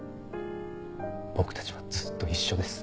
僕たちはずっと一緒です。